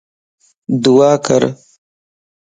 دعا ڪر